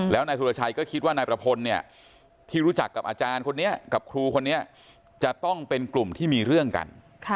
แล้วนายสุรชัยก็คิดว่านายประพลเนี่ยที่รู้จักกับอาจารย์คนนี้กับครูคนนี้จะต้องเป็นกลุ่มที่มีเรื่องกัน